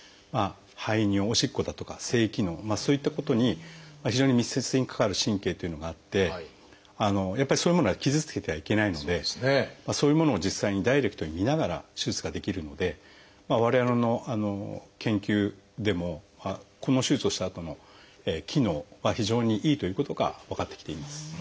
排尿おしっこだとか性機能そういったことに非常に密接に関わる神経というのがあってやっぱりそういうものは傷つけてはいけないのでそういうものを実際にダイレクトに見ながら手術ができるので我々の研究でもこの手術をしたあとの機能は非常にいいということが分かってきています。